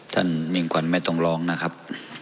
มิ่งขวัญไม่ต้องร้องนะครับ